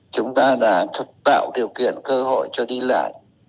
chúng ta đã tạo điều kiện cơ hội cho đi lại